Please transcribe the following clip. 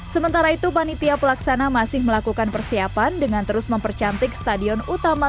sementara itu panitia pelaksana masih melakukan persiapan dengan terus mempercantik stadion utama